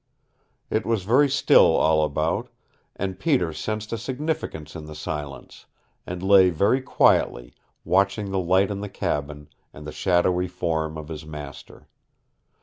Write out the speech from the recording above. It was very still all about, and Peter sensed a significance in the silence, and lay very quietly watching the light in the cabin, and the shadowy form of his master.